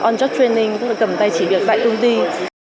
on job training tức là cầm tay chỉ việc tại công ty